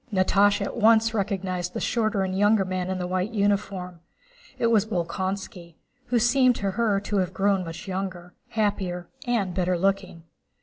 Natásha at once recognized the shorter and younger man in the white uniform: it was Bolkónski, who seemed to her to have grown much younger, happier, and better looking.